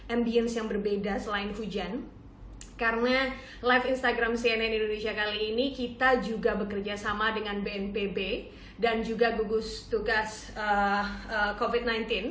ambience yang berbeda selain hujan karena live instagram cnn indonesia kali ini kita juga bekerja sama dengan bnpb dan juga gugus tugas covid sembilan belas